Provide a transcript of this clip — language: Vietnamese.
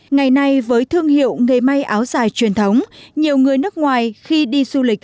ngày nay với thương hiệu nghề may áo dài truyền thống nhiều người nước ngoài khi đi du lịch